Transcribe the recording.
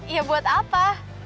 ya buat apa